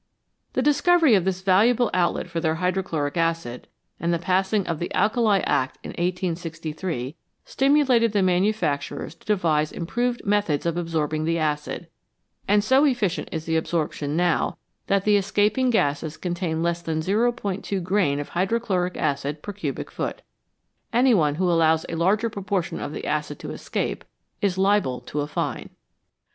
The discovery of this valuable outlet for their hydro chloric acid, and the passing of the Alkali Act in 1863, stimulated the manufacturers to devise improved methods of absorbing the acid ; and so efficient is the absorption now that the escaping gases contain less than 0*2 grain of hydrochloric acid per cubic foot. Any one who allows a larger proportion of the acid to escape is liable to a fine.